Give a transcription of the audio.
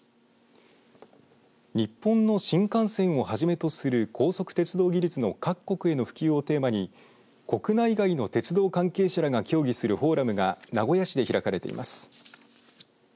日本の新幹線をはじめとする高速鉄道技術の各国への普及をテーマに国内外の鉄道関係者らが協議するフォーラムが名古屋市で開かれています。